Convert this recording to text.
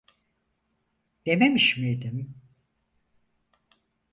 Dememiş miydim?